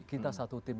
kita satu tim